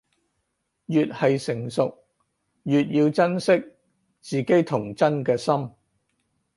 越係成熟，越要珍惜自己童真嘅心